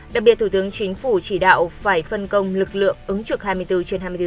đặc biệt thủ tướng chính phủ chỉ đạo phải phân công lực lượng ứng trực hai mươi bốn trên hai mươi bốn